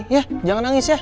ya jangan nangis ya